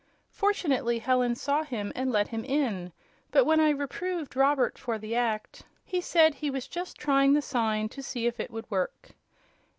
Fortunately Helen saw him and let him in, but when I reproved Robert for the act he said he was just trying the sign to see if it would work."